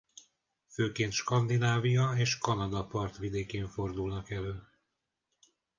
Főként Skandinávia és Kanada partvidékén fordulnak elő.